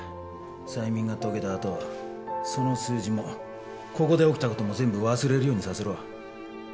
催眠が解けたあとその数字もここで起きたことも全部忘れるようにさせろ。